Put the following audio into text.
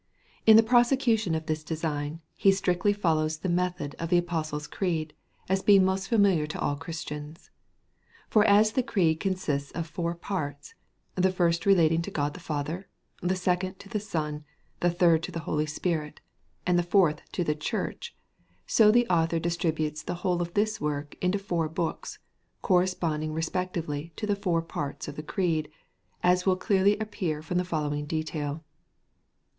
In the prosecution of this design, he strictly follows the method of the Apostles' Creed, as being most familiar to all Christians. For as the Creed consists of four parts, the first relating to God the Father, the second to the Son, the third to the Holy Spirit, the fourth to the Church; so the Author distributes the whole of this work into Four Books, corresponding respectively to the four parts of the Creed; as will clearly appear from the following detail: I.